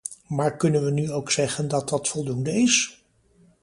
Maar kunnen we nu ook zeggen dat dat voldoende is?